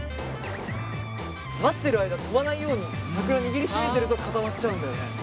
待ってる間飛ばないように桜握りしめてると固まっちゃうんだよね。